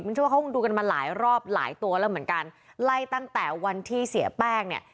เชื่อว่าเขาคงดูกันมาหลายรอบหลายตัวแล้วเหมือนกันไล่ตั้งแต่วันที่เสียแป้งเนี่ย